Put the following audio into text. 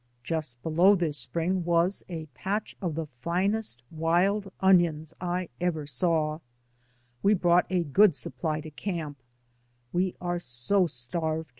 Just below this spring was a patch of the finest wild onions I ever saw. We brought a good supply to i68, DAYS ON THE ROAD. camp. We are so starved